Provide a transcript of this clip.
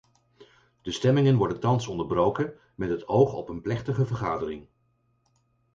De stemmingen worden thans onderbroken met het oog op een plechtige vergadering.